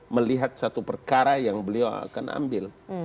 melihat satu perkara yang beliau akan ambil